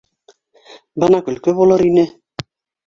Бына көлкө булыр ине!